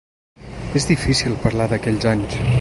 És difícil parlar d’aquells anys.